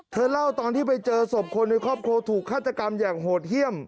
เธอเล่าตอนที่ไปเจอศพคนในครอบครัวถูกฆาตกรรมอย่างโหดเยี่ยม